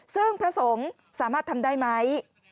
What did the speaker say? ซึ่งพระสงฆ์สามารถทำได้ไหม